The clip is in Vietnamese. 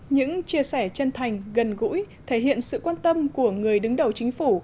những chia sẻ chân thành gần gũi thể hiện sự quan tâm của người đứng đầu chính phủ